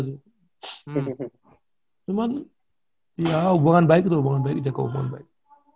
cuman ya hubungan baik itu hubungan baik itu hubungan baik